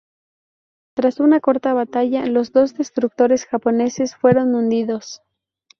Tras una corta batalla, los dos destructores japoneses fueron hundidos.